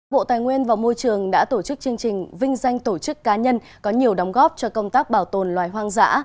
bộ tài nguyên và môi trường đã tổ chức chương trình vinh danh tổ chức cá nhân có nhiều đóng góp cho công tác bảo tồn loài hoang dã